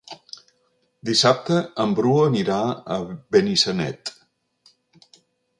Dissabte en Bru anirà a Benissanet.